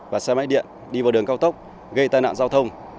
và xe máy điện đi vào đường cao tốc gây tai nạn giao thông